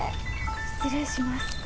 失礼します。